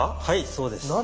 はいそうです。